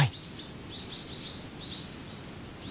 あ。